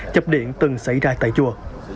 chập điện từng xảy ra tại chùa